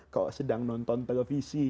kalau sedang nonton televisi